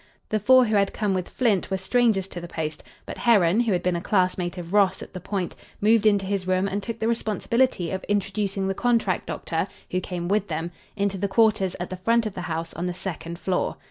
The four who had come with Flint were strangers to the post, but Herron, who had been a classmate of Ross at the Point, moved into his room and took the responsibility of introducing the contract doctor, who came with them, into the quarters at the front of the house on the second floor.